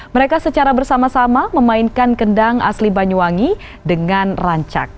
mereka secara bersama sama memainkan kendang asli banyuwangi dengan rancak